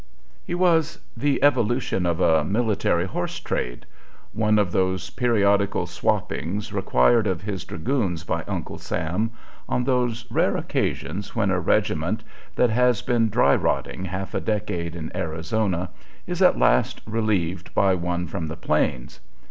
VAN. He was the evolution of a military horse trade, one of those periodical swappings required of his dragoons by Uncle Sam on those rare occasions when a regiment that has been dry rotting half a decade in Arizona is at last relieved by one from the Plains.